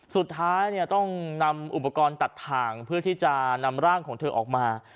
สุดท้ายต้องนำอุปกรณ์ตัดถ่างเพื่อที่จะนำร่างของเธอออกมา